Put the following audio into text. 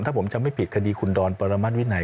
ถ้าผมจะไม่ปิดคดีคุณดอนปรมัติวินัย